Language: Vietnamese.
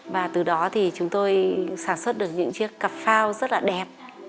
và từ đó thì chúng tôi sản xuất được những chiếc cặp phao rất là đẹp